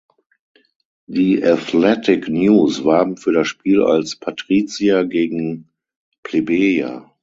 Die Athletic News warben für das Spiel als "Patrizier" gegen "Plebejer".